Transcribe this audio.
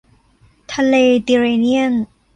ทะเลติร์เรเนียน